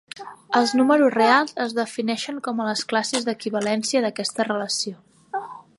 Els números reals es defineixen com a les classes d'equivalència d'aquesta relació.